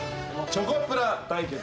チョコプラ対決。